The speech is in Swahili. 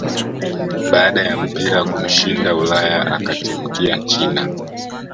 baada ya mpira kumshinda Ulaya akatimkia china